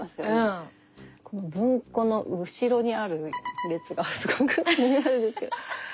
この文庫の後ろにある列がすごく気になるんですけど。